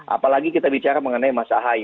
apalagi kita bicara mengenai mas ahaye